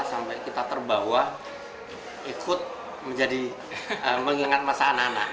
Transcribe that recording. sampai kita terbawa ikut menjadi mengingat masa anak anak